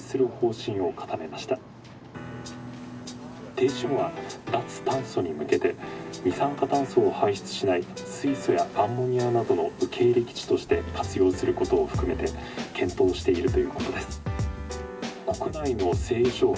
「停止後は脱炭素に向けて二酸化炭素を排出しない水素やアンモニアなどの受け入れ基地として活用することを含めて検討しているということです」。